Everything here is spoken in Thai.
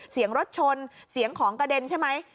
เสียงรถชนเสียงของกระเด็นใช่ไหม